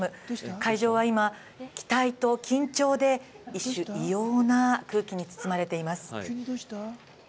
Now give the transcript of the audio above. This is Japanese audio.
会場は今、期待と緊張で異種異様な空気に包まれています。